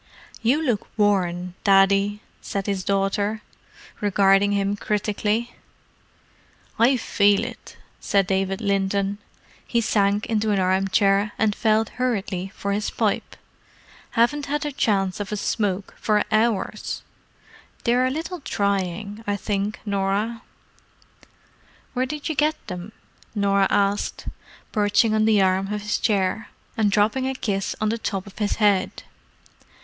"You look worn, Daddy," said his daughter, regarding him critically. "I feel it," said David Linton. He sank into an armchair and felt hurriedly for his pipe. "Haven't had a chance of a smoke for hours. They're a little trying, I think, Norah." "Where did you get them?" Norah asked, perching on the arm of his chair, and dropping a kiss on the top of his head.